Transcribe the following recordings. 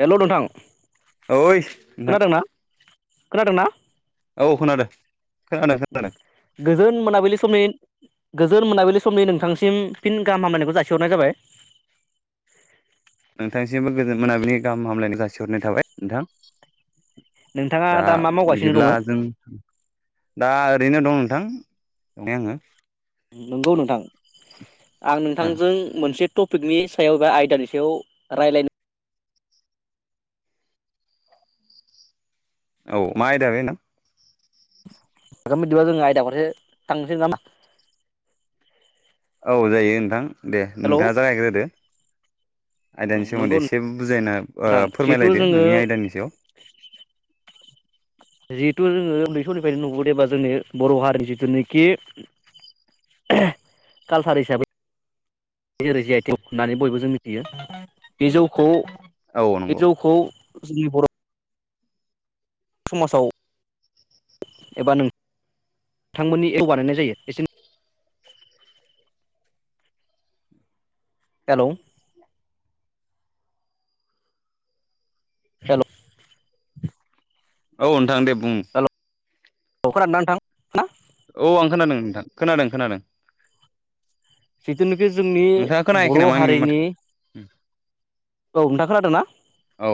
हेल' नोंथां ओइ नोंथां खोनादोंना खोनादोंना? औ खोनादों खोनादों खोनादों गोजोन मोनाबिलि समनि गोजोन मोनाबिलि समनि नोंथांसिम फिन गाहाम हामायानिखौ जासिहरनाय जाबाय। नोंथांसिमबो गोजोन मोनाबिलिनि गाहाम हामलायनो जासिहरनाय थाबाय नोंथां। नोंथाङा दा मा मावगासिनो बिदिब्ला दङो जों दा ओरैनो दं। नोंथां माने आङो। नंगौ नोंथां आं नोंथांजों मोनसे टपिकनि सायाव बा आयदानि सायाव रायज्लायनो। औ मा आयदा बे नोंथां? नोंथां बिदिबा जोङो आयदाफोरसे थांनोसै नामा? औ जायो नोंथां दे हेल' नोंथाङा जागायग्रोदो। आयदानि नंगौ सोमोन्दै एसे बुजायना नोंथां जिहेथु फोरमायलायदो जोङो नोंनि आयदानि सायाव। जिहेथु जोङो उन्दै समनिफ्रायनो नुबोदो बा जोंनि बर' हारि जिथुनो खि कालसार हिसाबै [unintelligible] आइथिं होननानै बयबो जों मिथियो बे जौखौ। औ बे नंगौ जौखौ जोंनि बर' समाजाव एबा नों नोंथांमोननि [unintelligible] बानायनाय जायो एसे हेलौ हेलौ औ नोंथां दे बुं। औ खोनादों ना नोंथां? औ आं खोनादों नोंथां खोनादों खोनादों। जिथुनाखि जोंनि नोंथाङा खोनायाखै बर' नामा आंनि माथो? हारिनि औ नोंथां खोनादों ना? औ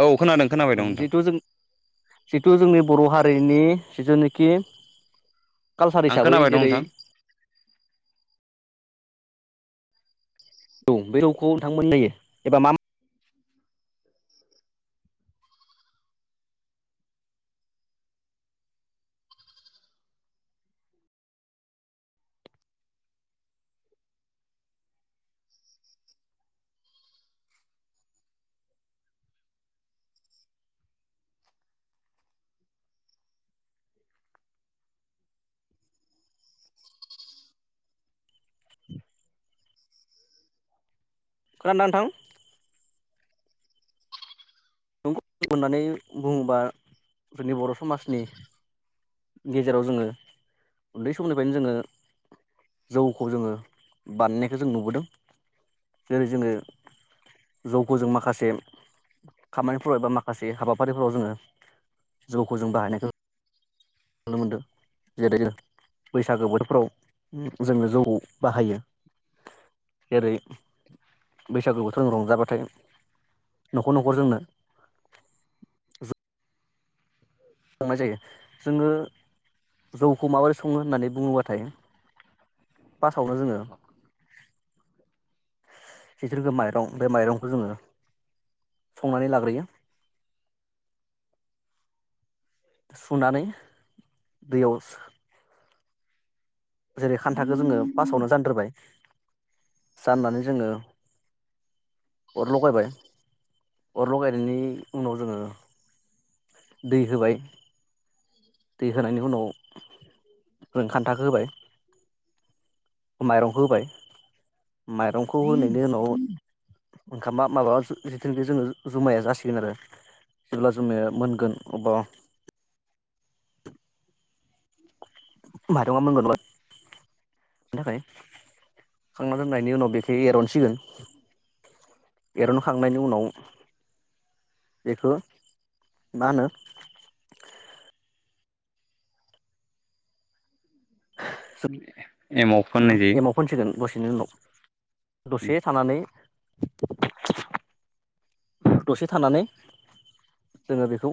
औ खोनादों खोनाबाय दं नोंथां जितु जों जितु जोङो बर' हा रिनि जिथु निखि कालसार आं हिसाबै खोनाबाय दं जेरै नोंथां औ बे रौखौ नोंथांमोन [unintelligible] एबा मा मा खोनादों ना नोंथां [unintelligible] होननानै बुङोबा जोंनि बर' समाजनि गेजेराव जोङो उन्दै समनिफ्रायनो जोङो जौखौ जोङो बानायनायखौ जों नुबोदों जेरै जोङो जौखौ जों माखासे खामानिफोराव एबा माखासे हाबाफारिफोराव जोङो जौखौ जों बाहायनायखौ नुनो मोनदों जेरै बैसागो बोथोरफ्राव जोङो जौ बाहायो जेरै बैसागु बोथोराव रंजाबाथाय न'खर न'खर जोंनो संनाय जायो जोङो जौखौ माबोरै सङो होननानै बुङोबा थाय पासावनो जोङो जि [unintelligible] माइरं बे माइरंखौ जोङो संनानै लाग्रोयो सुनानै दैयाव जेरै खान्थाखो जोङो फासावनो जानग्रोबाय जाननानै जोङो अर लगायबाय अर लगायनायनि उनाव जोङो दै होबाय दै होनायनि उनाव जों खान्थाखो होबाय माइरंखौ होबाय माइरंखौ होनायनि उनाव ओंखामा माबा [unintelligible] जोङो जुमाया जासिगोन आरो जेब्ला जुमाया मोनगोन अब्ला मायरंआ [unintelligible] [unintelligible] खांना दोननायनि उनाव बेखौ एरनसिगोन एरनखांनायनि उनाव बेखो मा होनो एमाव फोननाय जायो एमाव फोनसिगोन दसेनि उनाव दसे थानानै [inaudible] दसे थानानै जोङो बेखौ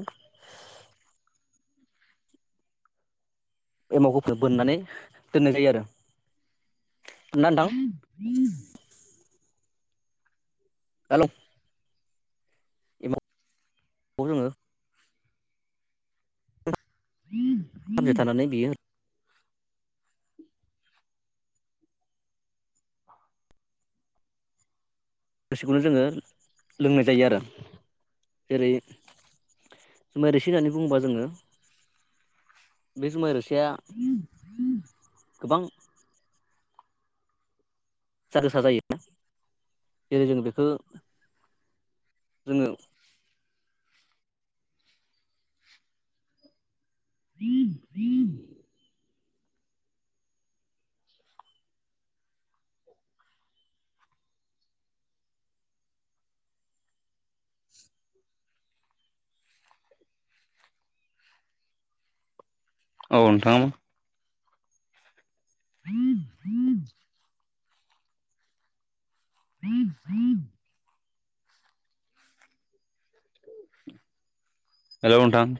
एमावफोरखौ बोननानै दोननाय जायो आरो ना नोंथां [inaudible] हेलौ खौ जोङो [unintelligible] थानानै बियो रोसिखौनो जोङो लोंनाय जायो आरो जेरै जुमाइ रोसि होननानै बुङोबा जोङो बे जुमाय रोसिया गोबां जार गोसा जायो जेरै जों बेखौ जोङो औ नोंथां [inaudible] [inaudible] हेलौ नोंथां खो